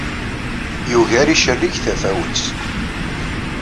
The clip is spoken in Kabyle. Yugar icerrig tafawett.